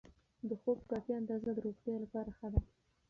د خوب کافي اندازه د روغتیا لپاره ښه ده.